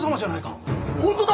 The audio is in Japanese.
本当だ！